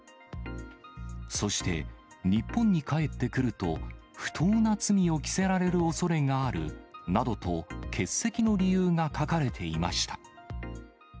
そして、日本に帰ってくると、不当な罪を着せられるおそれがあるなどと、欠席の理由が書かれていました。